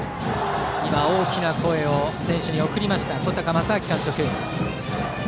大きな声を選手に送りました、小坂将商監督。